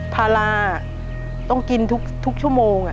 พาราต้องกินทุกชั่วโมง